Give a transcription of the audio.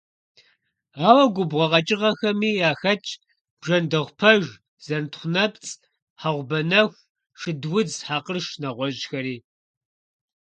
Ауэ губгъуэ къэкӀыгъэхэми яхэтщ бжэндэхъупэж, зэнтхъунэпцӀ, хьэгъубэнэху, шыдудз, хьэкъырш, нэгъуэщӀхэри.